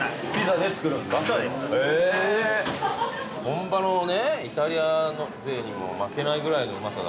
本場のねイタリア勢にも負けないぐらいのうまさだってことでしょ。